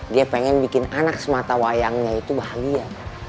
dia pengen bikin anak semata wayangnya itu bahagia